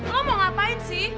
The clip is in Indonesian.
lu mau ngapain sih